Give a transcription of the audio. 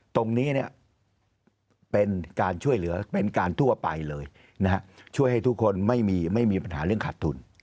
ตรงนี้เป็นการช่วยเหลือเป็นการทั่วไปเลยช่วยให้ทุกคนไม่มีปัญหาเรื่องขาดทุน